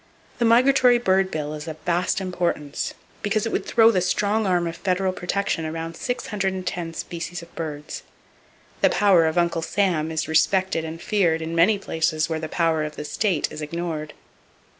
The migratory bird bill is of vast importance because it would throw the strong arm of federal protection around 610 species of birds. [Page 306] The power of Uncle Sam is respected and feared in many places where the power of the state is ignored.